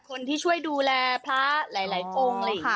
คนที่ช่วยดูแลพระหลายองค์หรืออย่างนี้ค่ะ